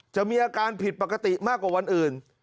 จะมีอาการผิดปกติมากกว่าวันอื่น